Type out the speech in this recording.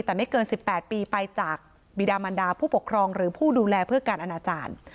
แต่ไม่เกิน๑๘ปีไปจากบีดามันดาผู้ปกครองหรือผู้ดูแลเพื่อการอนาจารย์